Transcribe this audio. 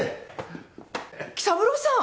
紀三郎さん。